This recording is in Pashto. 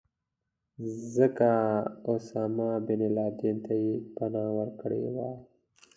ځکه اسامه بن لادن ته یې پناه ورکړې وه.